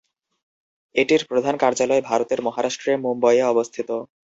এটির প্রধান কার্যালয় ভারতের মহারাষ্ট্রে মুম্বইয়ে অবস্থিত।